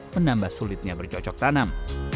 menambah sulitnya bercocok tanam